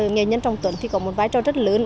nghệ nhân trọng tuấn thì có một vai trò rất lớn